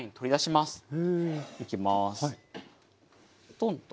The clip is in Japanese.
トンと。